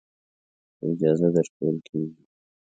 که اجازه درکول کېږي.